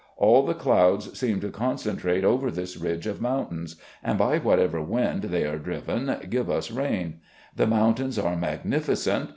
All the clouds seem to concentrate over this ridge of mountains, and by whatever wind they are driven, give us rain. The motmtains are magnificent.